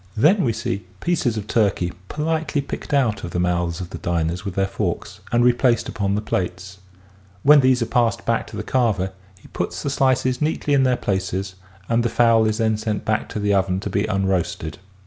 Then we see pieces of turkey politely picked out of the mouths of the diners with their forks and replaced upon the plates. When these are passed back to the carver he puts the slices neatly in their places and the fowl is then sent back to the oven to be unroasted.